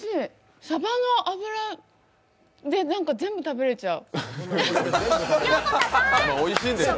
さばの脂で全部食べれちゃう。